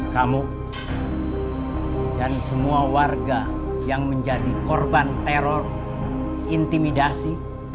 kamu dan semua warga yang menjadi korban teror intimidasi